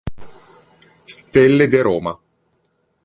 Stelle de Roma.